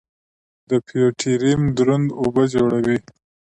د فیوټیریم دروند اوبه جوړوي.